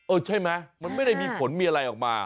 ใช่ไหมมันไม่ได้มีผลมีอะไรออกมา